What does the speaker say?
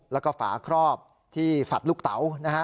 แล้วก็ฝาครอบที่ฝัดลูกเต๋านะฮะ